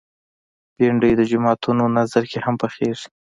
بېنډۍ د جوماتونو نذر کې هم پخېږي